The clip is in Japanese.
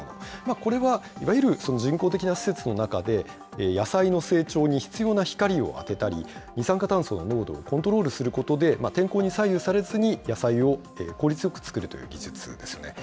これはいわゆる人工的な施設の中で、野菜の成長に必要な光を当てたり、二酸化炭素の濃度をコントロールすることで、天候に左右されずに、野菜を効率よく作るという技術ですよね。